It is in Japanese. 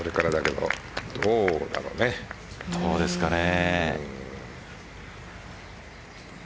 どうですかね。